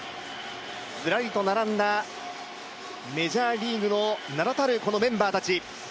ずらりと並んだメジャーリーグの名だたるメンバーたち。